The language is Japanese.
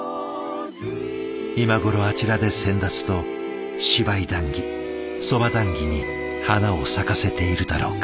今頃あちらで先達と芝居談議そば談議に花を咲かせているだろうか。